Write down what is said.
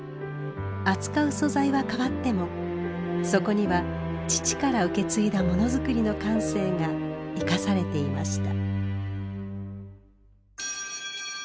扱う素材は変わってもそこには父から受け継いだモノ作りの感性が生かされていました。